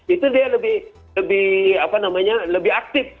itu dia lebih aktif